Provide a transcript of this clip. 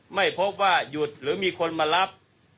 ไม่พบว่าหยุดหรือมีคนมารับ